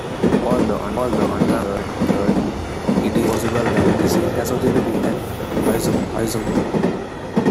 Although unconfirmed, it is highly possible that this is associated with an isomer.